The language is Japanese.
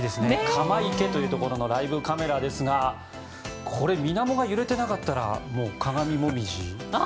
鎌池というところのライブカメラですがこれ、みなもが揺れてなかったらもう鏡モミジ。